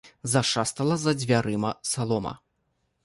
Зашастала за дзвярыма салома.